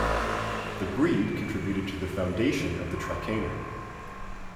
The breed contributed to the foundation of the Trakehner.